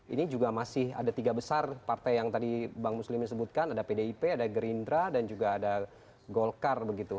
ini juga masih ada tiga besar partai yang tadi bang muslimin sebutkan ada pdip ada gerindra dan juga ada golkar begitu